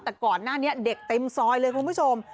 แต่ก่อนหน้านี้เด็กเต็มซอยเลยคุณผู้ชม